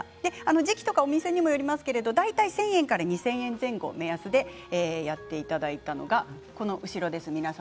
時期やお店にもよりますけれども大体１０００円から２０００円前後を目安でやっていただいたのが皆さんの後ろです。